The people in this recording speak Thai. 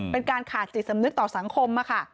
เป็นการขาดจิตสำนึกต่อสังคมค่ะ